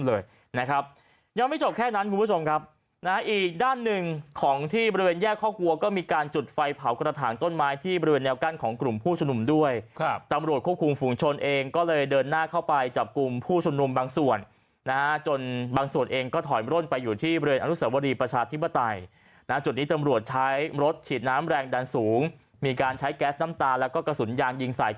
เลยนะครับยังไม่จบแค่นั้นคุณผู้ชมครับนะอีกด้านหนึ่งของที่บริเวณแยกครอบครัวก็มีการจุดไฟเผากระถางต้นไม้ที่บริเวณแนวกั้นของกลุ่มผู้ชนุมด้วยครับตำรวจควบคุมฝุงชนเองก็เลยเดินหน้าเข้าไปจับกลุ่มผู้ชนุมบางส่วนนะจนบางส่วนเองก็ถอยมร่วนไปอยู่ที่บริเวณอนุสาวรีประชาธิปไตยนะจุดนี้ตำ